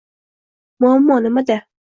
T: Muammo nima?